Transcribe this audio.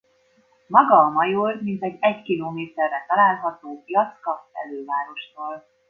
Maga a major mintegy egy kilométerre található Jacka elővárostól.